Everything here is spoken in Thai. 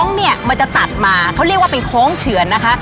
เนี่ยมันจะตัดมาเขาเรียกว่าเป็นโค้งเฉือนนะคะ